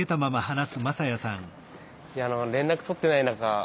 いや連絡取ってない中